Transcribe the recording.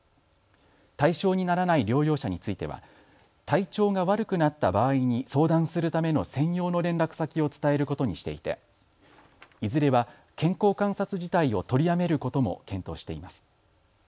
対象にならない療養者については体調が悪くなった場合に相談するための専用の連絡先を伝えることにしていていずれは健康観察自体を取りやめることも検討しています。